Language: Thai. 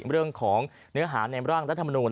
เรื่องของเนื้อหาในร่างรัฐมนูล